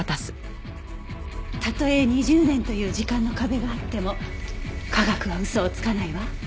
たとえ２０年という時間の壁があっても科学は嘘をつかないわ。